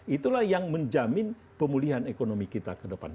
itulah yang menjamin pemulihan ekonomi kita ke depan